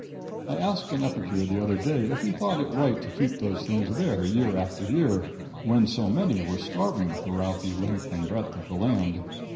I asked an epicure the other day if he thought it right to keep those things there year after year when so many were starving throughout the length and breadth of the land.